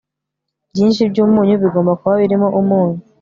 Byinshi byumunyu bigomba kuba birimo umunyu